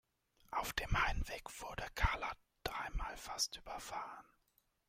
Auf dem Heimweg wurde Karla dreimal fast überfahren.